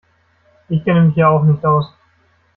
Ich kenne mich hier auch nicht aus.